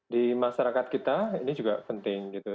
di masyarakat kita ini juga penting gitu